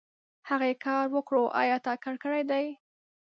هغې کار وکړو ايا تا کار کړی دی ؟